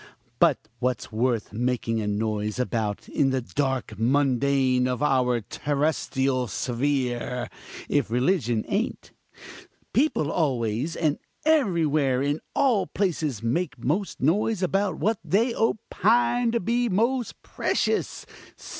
But what's worth making a noise about in the dark mundane of our terrestrial sphere, if religion ain't? People always, and everywhere in all places, make most noise about what they opine to be most precious.